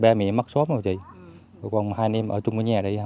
ba mẹ mất xóm rồi chị còn hai anh em ở chung với nhà đây thôi